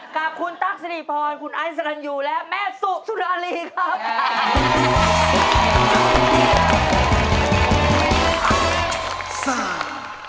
กับคุณตั๊กสิริพรคุณไอซ์สรรยูและแม่สุสุรารีครับ